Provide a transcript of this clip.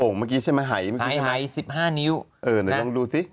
โอ้งเมื่อกี้ใช่ไหมหายเหมือนกันไหมหายหายสิบห้านิ้วเออหน่อยต้องดูสิ